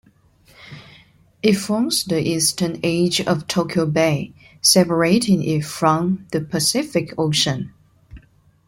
It forms the eastern edge of Tokyo Bay, separating it from the Pacific Ocean.